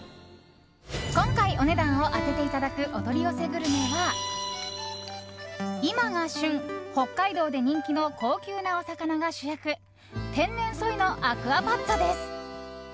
今回、お値段を当てていただくお取り寄せグルメは今が旬、北海道で人気の高級なお魚が主役天然ソイのアクアパッツァです。